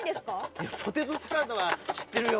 いや「ポテトサラダ」はしってるよ。